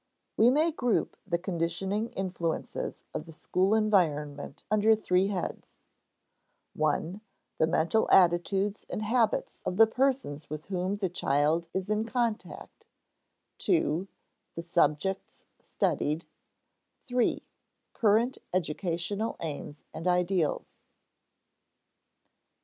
We may group the conditioning influences of the school environment under three heads: (1) the mental attitudes and habits of the persons with whom the child is in contact; (2) the subjects studied; (3) current educational aims and ideals.